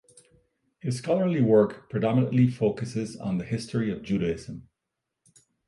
His scholarly work predominately focuses on the history of Judaism.